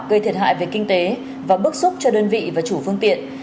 gây thiệt hại về kinh tế và bức xúc cho đơn vị và chủ phương tiện